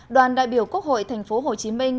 đoàn đại biểu quốc hội thành phố hồ chí minh